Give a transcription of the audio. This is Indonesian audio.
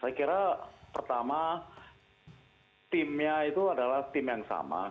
saya kira pertama timnya itu adalah tim yang sama